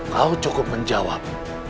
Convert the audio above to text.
kau cukup menjawab